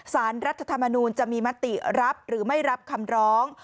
สารรัฐธรรมนูลจะมีมติรับหรือไม่รับคำร้อง